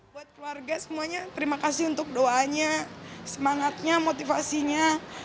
buat keluarga semuanya terima kasih untuk doanya semangatnya motivasinya